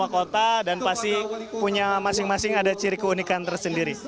dua kota dan pasti punya masing masing ada ciri keunikan tersendiri